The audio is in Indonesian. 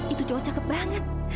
itu cowok cakep banget